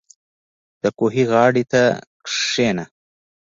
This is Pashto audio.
• د کوهي غاړې ته کښېنه.